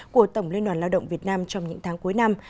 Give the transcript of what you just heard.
của tổng liên đoàn lao động việt nam trong những tháng cuối năm